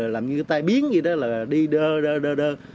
làm như cái tay biến gì đó là đi đơ đơ đơ đơ